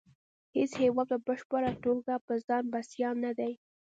هیڅ هیواد په بشپړه توګه په ځان بسیا نه دی